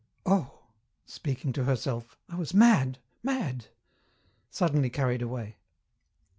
Oh," speaking to herself, "I was mad, mad " suddenly carried away.